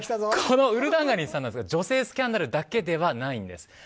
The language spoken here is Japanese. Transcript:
このウルダンガリンさんですが女性スキャンダルだけではないんです。